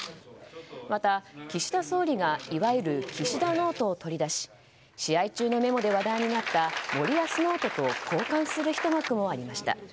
また、岸田総理がいわゆる岸田ノートを取り出し試合中のメモで話題になった森保ノートと交換するひと幕もありました。